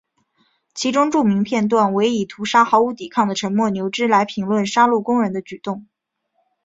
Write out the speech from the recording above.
其中著名片段为以屠杀毫无抵抗的沉默牛只来评论杀戮工人的举动。